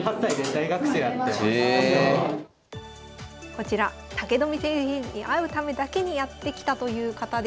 こちら武富先生に会うためだけにやって来たという方です。